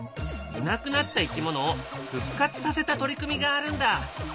いなくなった生き物を復活させた取り組みがあるんだ。